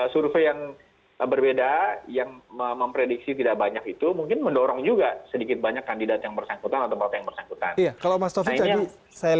survei yang berbeda yang memprediksi tidak banyak itu mungkin mendorong juga sedikit banyak kandidat yang bersangkutan atau partai yang bersangkutan